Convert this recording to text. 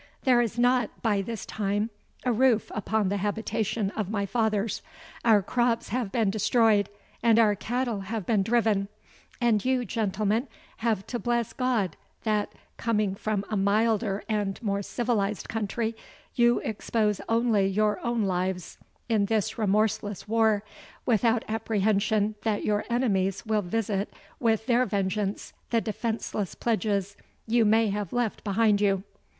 There is not, by this time, a roof upon the habitation of my fathers our crops have been destroyed, and our cattle have been driven and you, gentlemen, have to bless God, that, coming from a milder and more civilized country, you expose only your own lives in this remorseless war, without apprehension that your enemies will visit with their vengeance the defenceless pledges you may have left behind you."